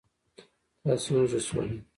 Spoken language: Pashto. تاسې وږي شولئ.